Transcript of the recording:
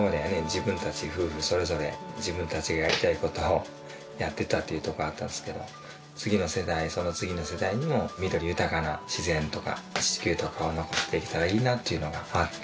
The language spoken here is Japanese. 自分たち夫婦それぞれ自分たちがやりたい事をやってたというとこがあったんですけど次の世代その次の世代にも緑豊かな自然とか地球とかを残していけたらいいなっていうのがあって。